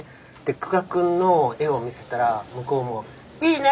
久我君の絵を見せたら向こうも「いいね」